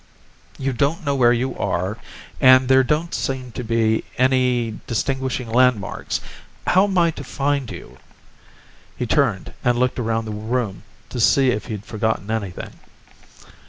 "You don't know where you are, and there don't seem to be any distinguishing landmarks. How am I to find you?" He turned and looked around the room to see if he had forgotten anything.